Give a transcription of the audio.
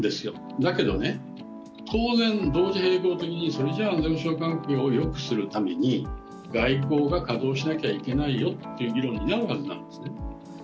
だけど、当然、同時並行的に安全保障環境をよくするために、外交が稼働しなきゃいけないよという議論になるはずなんですね。